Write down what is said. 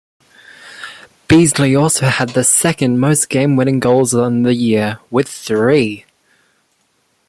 Beasley also had the second most game-winning goals on the year with three.